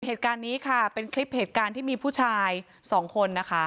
เหตุการณ์นี้ค่ะเป็นคลิปเหตุการณ์ที่มีผู้ชายสองคนนะคะ